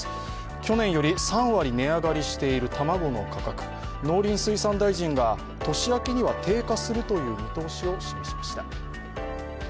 去年より３割値上がりしている卵の価格、農林水産大臣が年明けには低下するという見通しを示しました。